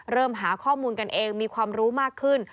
เริ่มหาข้อมูลกันเองมีความรู้มากขึ้น